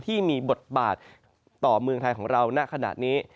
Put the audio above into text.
ที่มีบทบาทต่อเมืองไทยของเราณขณะนี้